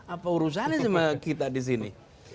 apa urusannya sama kita di sini